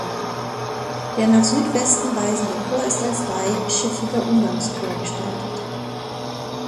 Der nach Südwesten weisende Chor ist als dreischiffiger Umgangschor gestaltet.